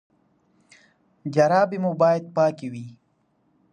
جرابې مو باید پاکې وي.